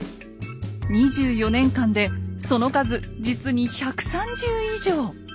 ２４年間でその数実に１３０以上。